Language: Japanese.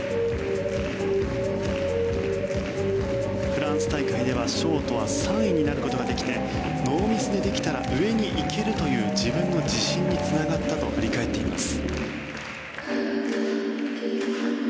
フランス大会ではショートは３位になることができてノーミスでできたら上に行けるという自分の自信につながったと振り返っています。